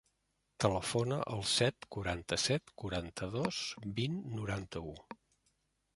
Telefona al set, quaranta-set, quaranta-dos, vint, noranta-u.